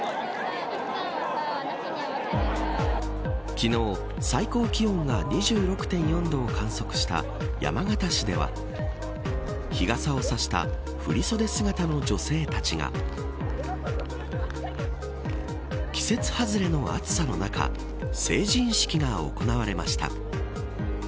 昨日、最高気温が２６．４度を観測した山形市では日傘を差した振り袖姿の女性たちが季節外れの暑さの中成人式が行われました。